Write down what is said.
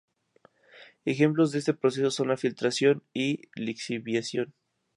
Ejemplos de este proceso son la filtración y la lixiviación.